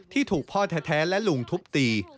ที่ถูกพ่อแท้และลุงทุบตี